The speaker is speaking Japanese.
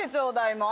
もう。